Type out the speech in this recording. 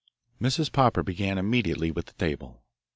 Mrs. Popper began immediately with the table.